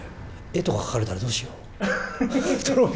絵とか描かれたらどうしよう？